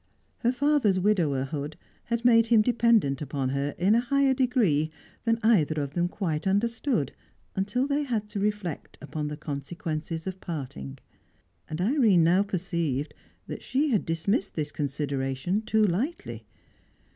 Her father's widowerhood had made him dependent upon her in a higher degree than either of them quite understood until they had to reflect upon the consequences of parting; and Irene now perceived that she had dismissed this consideration too lightly.